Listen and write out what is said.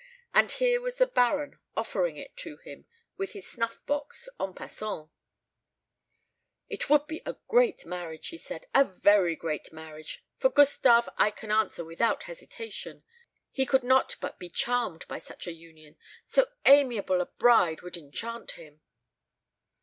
And here was the Baron offering it to him, with his snuff box, en passant. "It would be a great marriage," he said, "a very great marriage. For Gustave I can answer without hesitation. He could not but be charmed by such a union so amiable a bride would enchant him."